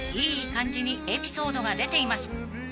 ［いい感じにエピソードが出ています］